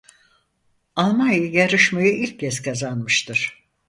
Almanya yarışmayı ilk kez kazanmıştır.